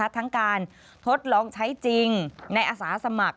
ทั้งการทดลองใช้จริงในอาสาสมัคร